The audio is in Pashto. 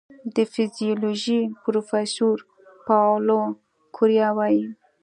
د فزیولوژي پروفېسور پاولو کوریا وايي